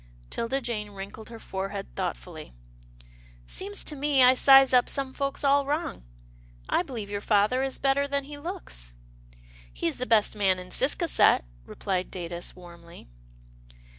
Tilda Jane wrinkled her forehead thoughtfully, MILD FORGIVENESS 85 " Seems to me I size up some folks all wrong. I believe your father is better than he looks." " He's the best man in Ciscasset," replied Datus warmly.